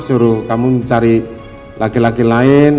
suruh kamu cari laki laki lain